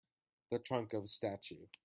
The trunk of a statue.